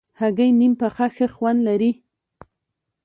هګۍ نیم پخه ښه خوند لري.